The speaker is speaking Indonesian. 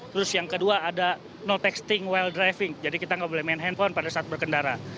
terus yang kedua ada no texting while driving jadi kita tidak boleh main handphone pada saat berkendara